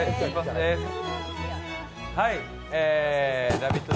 「ラヴィット！」